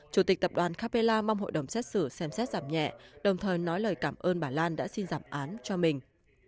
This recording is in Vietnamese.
chủ tịch tập đoàn capella mong hội đồng xét xử xem xét giảm nhẹ đồng thời nói lời cảm ơn bà lan đã xin giảm án cho mình